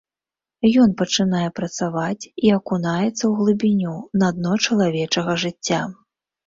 Ён пачынае працаваць і акунаецца ў глыбіню, на дно чалавечага жыцця.